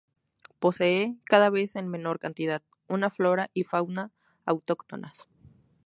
Posee -cada vez en menor cantidad- una flora y fauna autóctonas.